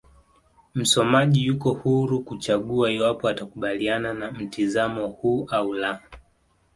Msomaji yuko huru kuchagua iwapo atakubaliana na mtizamo huu au la